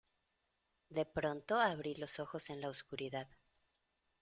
de pronto abrí los ojos en la oscuridad.